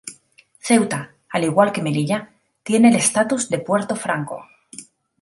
Ceuta, al igual que Melilla, tiene el estatus de puerto franco.